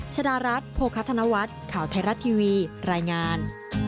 ชดารัฐโภคธนวัฒน์ข่าวไทยรัฐทีวีรายงาน